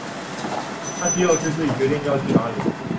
他需要是自己决定要去哪里